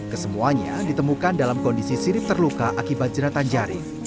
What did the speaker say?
kesemuanya ditemukan dalam kondisi sirip terluka akibat jeratan jaring